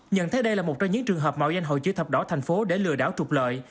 nhận thấy đây là một trong những trường hợp màu danh hội chữ thập đỏ tp hcm để lừa đảo trục lợi